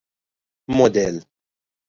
مدل